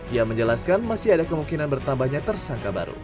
ia menjelaskan masih ada kemungkinan bertambahnya tersangka baru